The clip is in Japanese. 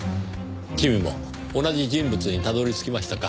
君も同じ人物にたどり着きましたか。